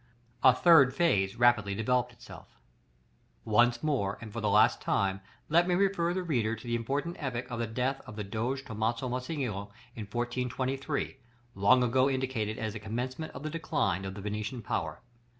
A third phase rapidly developed itself. § LXXVI. Once more, and for the last time, let me refer the reader to the important epoch of the death of the Doge Tomaso Mocenigo in 1423, long ago indicated as the commencement of the decline of the Venetian power.